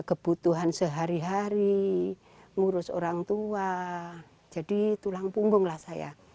kebutuhan sehari hari ngurus orang tua jadi tulang punggung lah saya